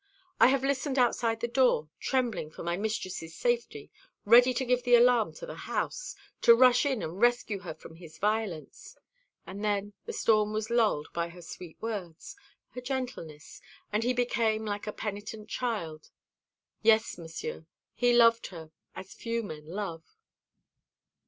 I have listened outside the door, trembling for my mistress's safety, ready to give the alarm to the house, to rush in and rescue her from his violence; and then the storm was lulled by her sweet words, her gentleness, and he became like a penitent child. Yes, Monsieur, he loved her as few men love."